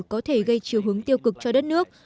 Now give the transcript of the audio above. có thể gây triều hướng tiêu cực cho đất nước